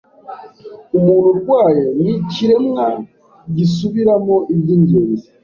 Umuntu urwaye ni ikiremwa gisubiramo ibyingenzi